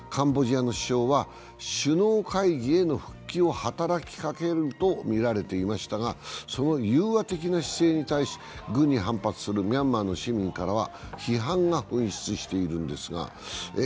カンボジアの首相は首脳会議への復帰を働きかけるとみられていましたが、その融和的な姿勢に対し、軍に反発するミャンマーの市民からは反発が噴出しているんですが。